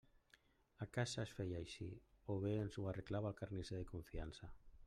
A casa es feia així o bé ens ho arreglava el carnisser de confiança.